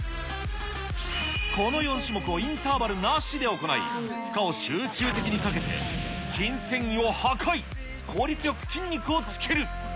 この４種目をインターバルなしで行い、負荷を集中的にかけて、筋繊維を破壊、効率よく筋肉をつける。